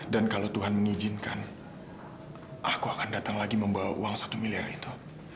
dan kalau tuhan mengizinkan aku akan datang lagi membawa uang satu miliar itu